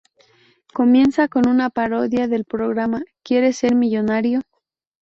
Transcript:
Comienza con una parodia del programa ¿Quieres ser millonario?